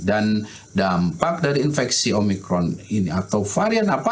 dan dampak dari infeksi omikron ini atau varian apa